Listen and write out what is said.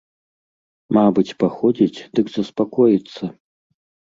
Мабыць, паходзіць, дык заспакоіцца.